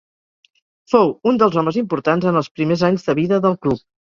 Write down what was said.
Fou un dels homes importants en els primers anys de vida del club.